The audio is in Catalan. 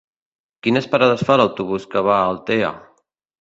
Quines parades fa l'autobús que va a Altea?